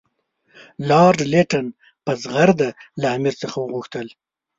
لارډ لیټن په زغرده له امیر څخه وغوښتل.